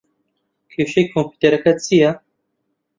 کێشەی کۆمپیوتەرەکەت چییە؟